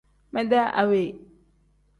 Mede awe.